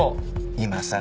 今さら